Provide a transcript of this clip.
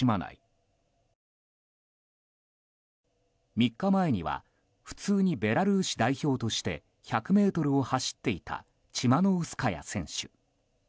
３日前には普通にベラルーシ代表として１００ｍを走っていたチマノウスカヤ選手。